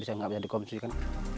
ya gak bisa dikongsikan